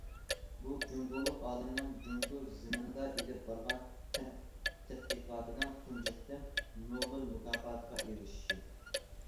بۇ جۇڭگولۇق ئالىمنىڭ جۇڭگو زېمىنىدا ئېلىپ بارغان پەن تەتقىقاتىنىڭ تۇنجى قېتىم نوبېل مۇكاپاتىغا ئېرىشىشى.